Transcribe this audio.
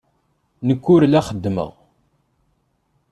Nekk ur la xeddmeɣ.